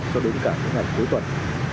cho đến cả những ngày cuối tuần